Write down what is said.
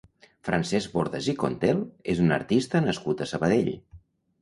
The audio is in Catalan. Francesc Bordas i Contel és un artista nascut a Sabadell.